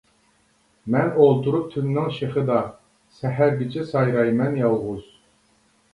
مەن ئولتۇرۇپ تۈننىڭ شېخىدا، سەھەرگىچە سايرايمەن يالغۇز.